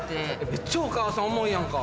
めっちゃお母さん思いやんか。